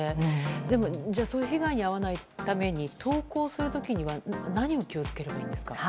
でも、そういう被害に遭わないために投稿する時に何に気を付ければいいんですか？